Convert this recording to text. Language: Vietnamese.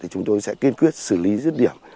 chúng tôi sẽ kiên quyết xử lý rứt điểm